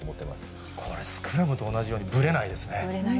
これ、スクラムと同じように、ぶれないですね。